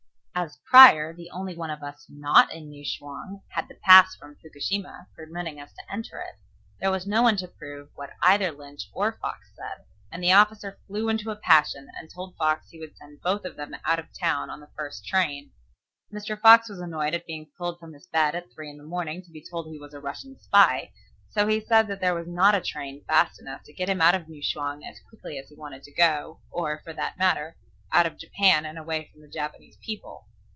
As Prior, the only one of us not in New Chwang, had the pass from Fukushima, permitting us to enter it, there was no one to prove what either Lynch or Fox said, and the officer flew into a passion and told Fox he would send both of them out of town on the first train. Mr. Fox was annoyed at being pulled from his bed at three in the morning to be told he was a Russian spy, so he said that there was not a train fast enough to get him out of New Chwang as quickly as he wanted to go, or, for that matter, out of Japan and away from the Japanese people.